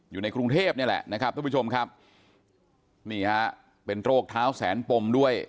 อยู่ในกรุงเทพนี่แหละนะครับทุกผู้ชมครับนี่ฮะเป็นโรคเท้าแสนปมด้วย